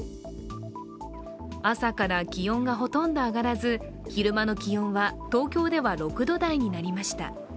朝から気温がほとんど上がらず昼間の気温は東京では６度台になりました。